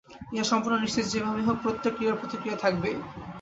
ইহা সম্পূর্ণ নিশ্চিত যে, যেভাবে হউক প্রত্যেক ক্রিয়ার প্রতিক্রিয়া থাকিবেই।